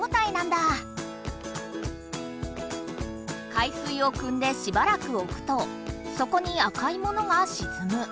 海水をくんでしばらくおくと底に赤いものがしずむ。